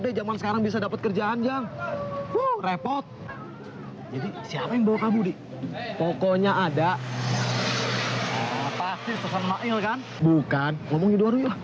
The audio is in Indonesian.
dan percaya ke tapi